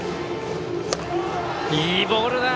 いいボールだ！